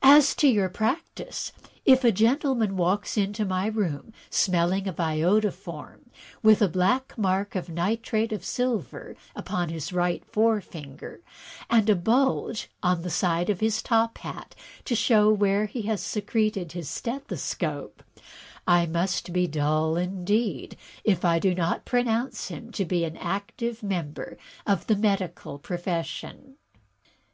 As to your practice, if a gentleman walks into my rooms smelling of iodoform, with a black mark of nitrate of silver upon his right forefinger, and a bulge on the side of his top hat to show where he has secreted his stethoscope, I must be dull, indeed, if I do not pronounce him to be an active member of the medical profession.